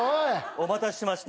お待たせしました。